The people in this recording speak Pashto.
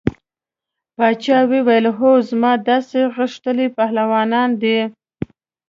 باچا وویل هو زما داسې غښتلي پهلوانان دي.